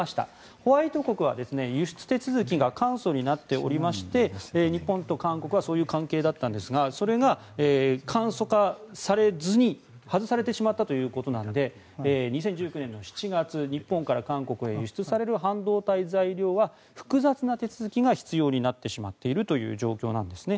ホワイト国は輸出手続きが簡素になっていまして日本と韓国はそういう関係だったんですがそれが、簡素化されず外されてしまったので２０１９年７月、日本から韓国へ輸出される半導体材料は複雑な手続きが必要になってしまったという状況なんですね。